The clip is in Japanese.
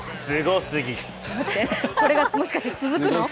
これがもしかして続くの？